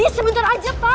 sebentar aja pak